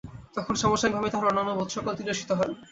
তখন সাময়িকভাবে তাহার অন্যান্য বোধসকল তিরোহিত হয়।